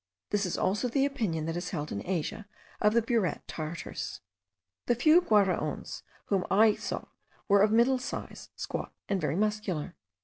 This is also the opinion that is held in Asia of the Burat Tartars. The few Guaraons whom I saw were of middle size, squat, and very muscular.